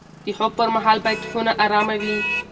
د خوب پر مهال باید خونه ارامه وي.